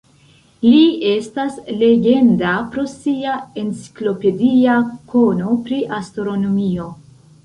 Li estas legenda pro sia enciklopedia kono pri astronomio.